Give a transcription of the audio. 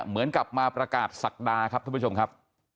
เหมือนกับมาประกาศศักดาครับท่านผู้ชมครับ